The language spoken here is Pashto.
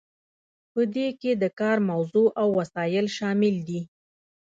په دې کې د کار موضوع او وسایل شامل دي.